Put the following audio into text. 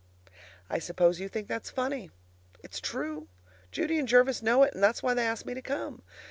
I suppose you think that's funny? It's true. Judy and Jervis know it, and that's why they asked me to come.